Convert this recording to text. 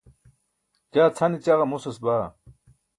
jaa cʰane ćaġa mosas baa